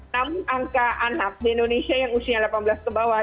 namun angka anak di indonesia yang usianya delapan belas ke bawah